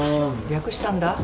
略したんだ。